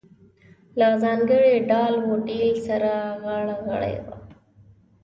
له ځانګړي ډال و ډیل سره غاړه غړۍ وه.